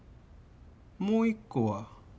もう１個は？